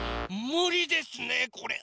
ムリですねこれ。